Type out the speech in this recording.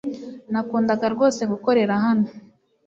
Nakundaga rwose gukorera hano .